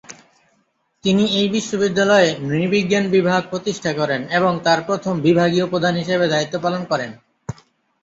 তিনি এই বিশ্ববিদ্যালয়ে নৃ-বিজ্ঞান বিভাগ প্রতিষ্ঠা করেন এবং তার প্রথম বিভাগীয় প্রধান হিসেবে দায়িত্ব পালন করেন।